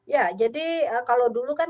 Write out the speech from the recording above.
ya jadi kalau dulu kan